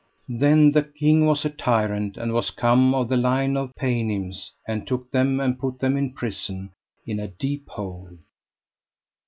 Then the king was a tyrant, and was come of the line of paynims, and took them and put them in prison in a deep hole.